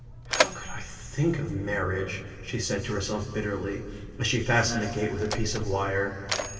"How could I think of marriage!" she said to herself bitterly, as she fastened the gate with a piece of wire.